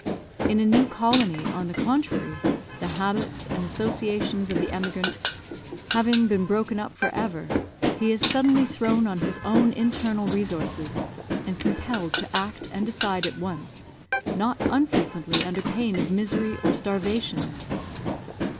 In a new colony, on the contrary, the habits and associations of the emigrant having been broken up for ever, he is suddenly thrown on his own internal resources, and compelled to act and decide at once; not unfrequently under pain of misery or starvation.